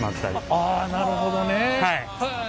あなるほどね。へえ。